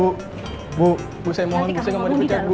bu saya mohon bu saya gak mau dipecat bu